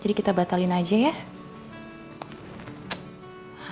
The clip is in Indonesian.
kita batalin aja ya